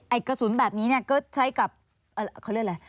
ไอ้กระสุนแบบนี้ก็ใช้กับเขาเรียกอะไร